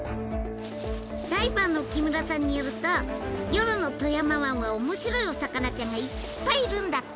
ダイバーの木村さんによると夜の富山湾は面白いお魚ちゃんがいっぱいいるんだって！